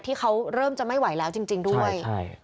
ที่เขาเริ่มจะไม่ไหวแล้วจริงด้วย